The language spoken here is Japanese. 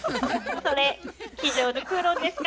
それ机上の空論ですか？